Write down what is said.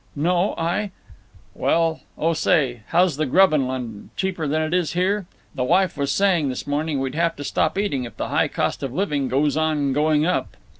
"No, I—" "Well…. Oh, say, how's the grub in London? Cheaper than it is here? The wife was saying this morning we'd have to stop eating if the high cost of living goes on going up."